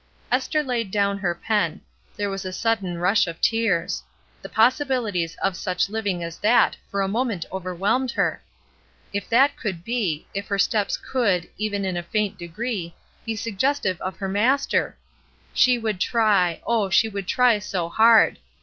Esther laid down her pen ; there was a sudden rush of tears; the possibilities of such hving as that for a moment overwhelmed her If that could be — if her sfpm Pr.„i^ "«^' sieps could, even m a famt degree, be suggestive of the Master < She would try oh, she would try so hard